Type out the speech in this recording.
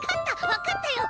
わかったよ！